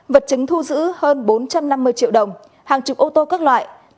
vật chứng thu giữ hơn bốn trăm năm mươi triệu đồng hàng chục ô tô các loại